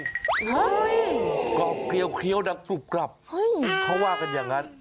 เฮ้ยกรอบเกลียวดังกรุบกลับเขาว่ากันอย่างนั้น